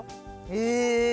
へえ。